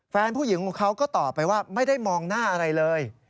แฟนผู้หญิงของเขาก็ตอบไปว่าไม่ได้มองหน้าอะไรเลย